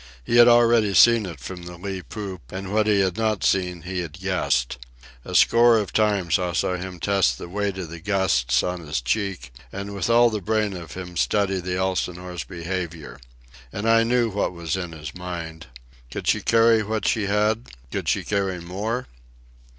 He had already seen it from the lee poop, and what he had not seen he had guessed. A score of times I saw him test the weight of the gusts on his cheek and with all the brain of him study the Elsinore's behaviour. And I knew what was in his mind. Could she carry what she had? Could she carry more?